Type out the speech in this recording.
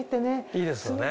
いいですよね。